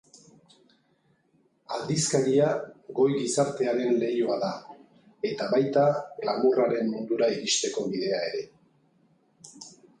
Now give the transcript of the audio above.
Aldizkaria goi gizartearen leihoa da eta baita glamurraren mundura iristeko bidea ere.